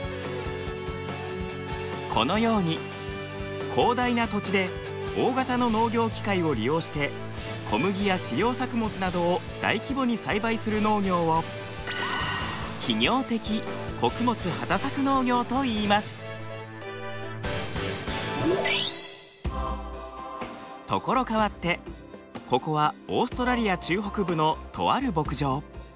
このように広大な土地で大型の農業機械を利用して小麦や飼料作物などを大規模に栽培する農業を所変わってここはオーストラリア中北部のとある牧場。